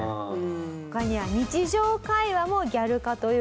他には日常会話もギャル化という事なんですけれども。